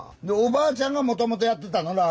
でおばあちゃんがもともとやってたの？